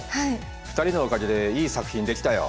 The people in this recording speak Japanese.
２人のおかげでいい作品出来たよ。